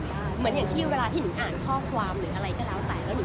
เหมือนอย่างที่เวลาที่หนิงอ่านข้อความหรืออะไรก็แล้วแต่แล้วหิ